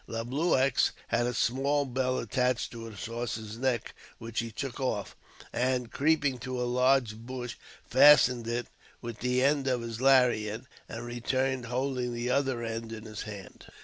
Le Blueux had a small bell attached to his horse's neck, which he took off, and, creeping to a large bush, fastened it with the end of his lariat, and returned holding the other end in his hand.